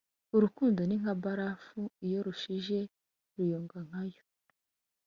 urukundo ni nka mbarafu iyo rushije ruyonga nkayo